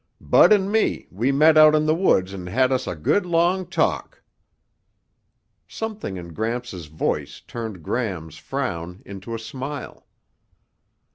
"Bud and me, we met out in the woods and had us a good long talk." Something in Gramps' voice turned Gram's frown into a smile.